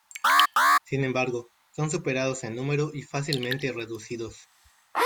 Sin embargo son superados en número y fácilmente reducidos.